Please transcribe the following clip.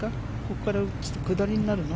ここから打つと下りになるの？